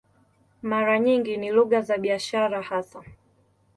Mara nyingi ni lugha za biashara hasa.